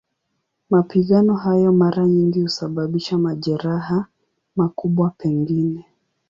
Mapigano hayo mara nyingi husababisha majeraha, makubwa pengine.